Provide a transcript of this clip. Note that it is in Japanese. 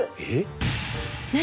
何？